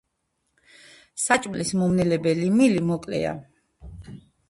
საჭმლის მომნელებელი მილი მოკლეა.